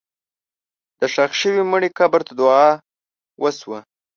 د ښخ شوي مړي قبر ته دعا وشوه.